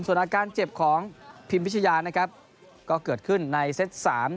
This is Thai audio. ส่วนอาการเจ็บของพิมพิชยานะครับก็เกิดขึ้นในเซต๓